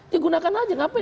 ya gunakan aja